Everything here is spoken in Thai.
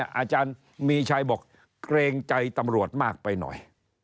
อาจารย์มีชัยบอกเกรงใจตำรวจมากไปหน่อย